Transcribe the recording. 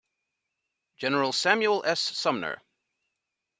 General Samuel S. Sumner.